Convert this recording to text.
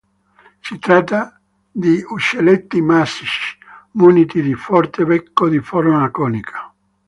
Si tratta di uccelletti massicci, muniti di un forte becco di forma conica.